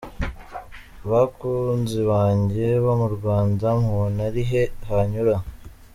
Bakunzi banjye bo mu Rwanda mubona ari he hanyura?".